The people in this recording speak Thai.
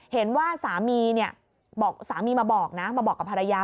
เห็นว่าสามีเนี่ยบอกสามีมาบอกนะมาบอกกับภรรยา